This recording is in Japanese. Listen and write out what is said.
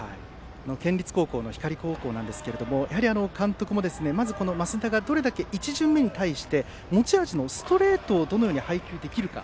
県立高校の光高校ですがやはり監督も、まず升田がどれだけ１巡目に対して持ち味のストレートをどのように配球できるか。